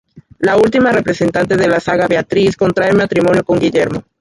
La última representante de la saga, Beatriz, contrae matrimonio con Guillermo.